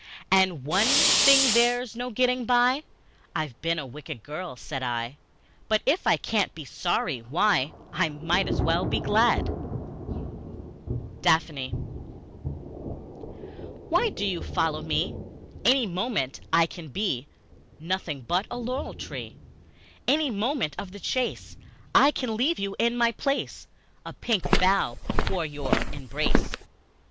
And, "One thing there's no getting by I've been a wicked girl," said I; "But if I can't be sorry, why, I might as well be glad!" Daphne WHY do you follow me? Any moment I can be Nothing but a laurel tree. Any moment of the chase I can leave you in my place A pink bough for your embrace.